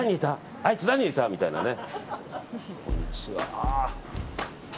あいつ何入れた？みたいなね。